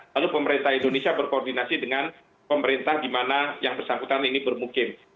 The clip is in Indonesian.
lalu pemerintah indonesia berkoordinasi dengan pemerintah di mana yang bersangkutan ini bermukim